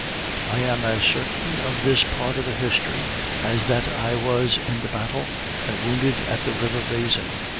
I am as certain of this part of the history, as that I was in the battle, and wounded at the river Raisin.